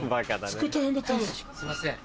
すいません。